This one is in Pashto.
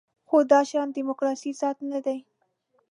خو دا شیان د دیموکراسۍ ذات نه دی.